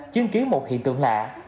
chứng kiến một hiện tượng lạ